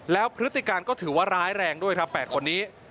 แล้วพฤติการก็ถือว่าร้ายแรงด้วยครับ๘คนนี้